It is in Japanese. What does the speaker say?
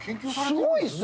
すごいですね。